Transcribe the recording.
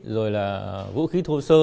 rồi là vũ khí thô sơ